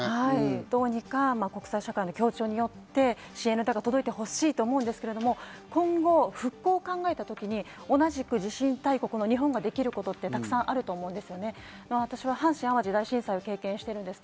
どうにか国際社会の協調によって支援が届いてほしいと思うんですが、今後、復興を考えたときに同じく地震大国の日本ができることはたくさんあると思うんです。